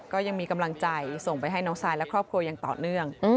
ก็ยังมีกำลังใจส่งไปให้น้องซายและครอบครัวอย่างต่อเนื่อง